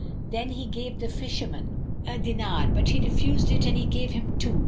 Then he gave the fisherman a dinar, but he refused it and he gave him two.